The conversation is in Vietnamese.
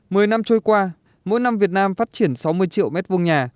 mười năm trôi qua mỗi năm việt nam phát triển sáu mươi triệu mét vùng nhà